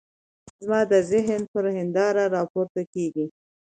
زما د ذهن پر هنداره را پورته کېږي.